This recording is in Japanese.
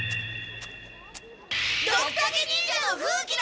ドクタケ忍者の風鬼だ！